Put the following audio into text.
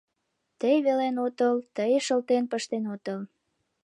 Тый велен отыл, тый шылтен пыштен отыл.